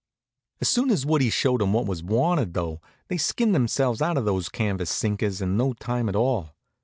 As soon as Woodie showed 'em what was wanted, though, they skinned themselves out of those canvas sinkers in no time at all.